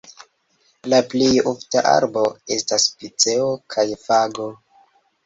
La plej ofta arbo estas piceo kaj fago.